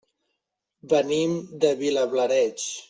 Venim de Vilablareix.